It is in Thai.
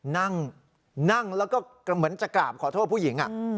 นั่งนั่งแล้วก็เหมือนจะกราบขอโทษผู้หญิง